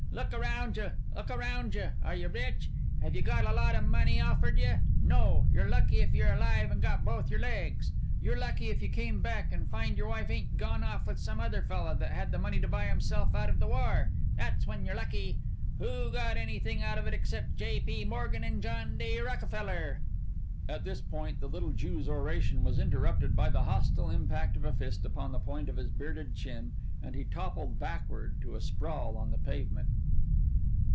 "Look arounja, look arounja! Are you rich? Have you got a lot of money offered you? no; you're lucky if you're alive and got both your legs; you're lucky if you came back an' find your wife ain't gone off with some other fella that had the money to buy himself out of the war! That's when you're lucky! Who got anything out of it except J. P. Morgan an' John D. Rockerfeller?" At this point the little Jew's oration was interrupted by the hostile impact of a fist upon the point of his bearded chin and he toppled backward to a sprawl on the pavement.